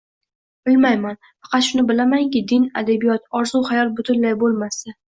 Bilmayman. Faqat shuni bilamanki, din, adabiyot, orzu-xayol butunlay bo’lmasdi…